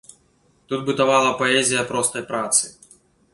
Тут бытавала паэзія простай працы.